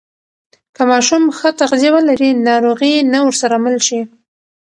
که ماشوم ښه تغذیه ولري، ناروغي نه ورسره مل شي.